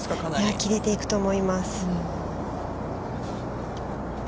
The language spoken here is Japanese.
◆切れていくと思います。